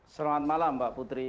selamat malam mbak putri